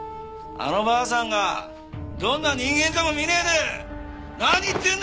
あのばあさんがどんな人間かも見ねえで何言ってんだ